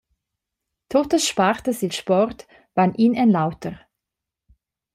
Tuttas spartas dil sport van in en l’auter.